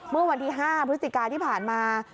เมื่อวันที่๕พฤศจิกาที่ผ่านมา